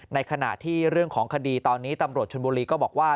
ในขณะที่เรื่องของคดีตอนนี้ตำรวจชนบุรีก็บอกว่า